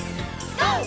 ＧＯ！